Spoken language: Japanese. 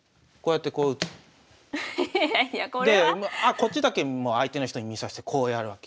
こっちだけ相手の人に見させてこうやるわけ。